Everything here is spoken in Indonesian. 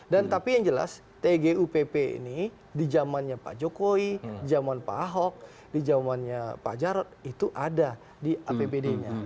dan tapi yang jelas tgupp ini di zamannya pak jokowi di zaman pak ahok di zamannya pak jarod itu ada di apbd nya